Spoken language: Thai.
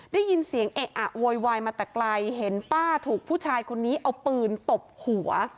ได้ยินเสียงเอะอะโวยวายมาแต่ไกลเห็นป้าถูกผู้ชายคนนี้เอาปืนตบหัว